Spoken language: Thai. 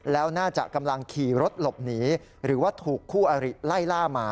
แล้วน่าจะกำลังขี่รถหลบหนีหรือว่าถูกคู่อริไล่ล่ามา